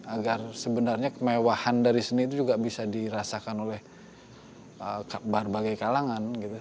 agar sebenarnya kemewahan dari seni itu juga bisa dirasakan oleh berbagai kalangan gitu